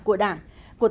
của đất nước